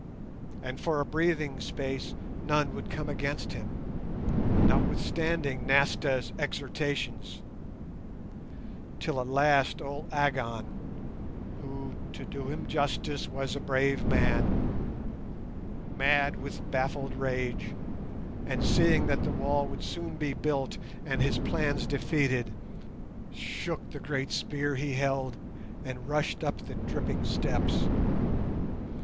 And for a breathing space none would come against him, notwithstanding Nasta's exhortations, till at last old Agon, who, to do him justice, was a brave man, mad with baffled rage, and seeing that the wall would soon be built and his plans defeated, shook the great spear he held, and rushed up the dripping steps.